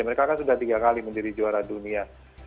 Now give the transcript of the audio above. mereka kan sudah tiga kali menjadi juara dunia